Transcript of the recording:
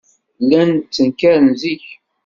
Llan ttenkaren zik.